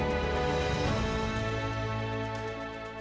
ketika overpopulasi itu tidak bisa ditekan